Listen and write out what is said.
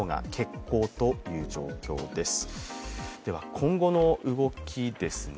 今後の動きですね。